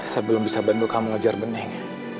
saya belum bisa bantu kamu mengejar bening